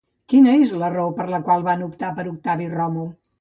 Quina és la raó per la qual van optar per Octavi Ròmul?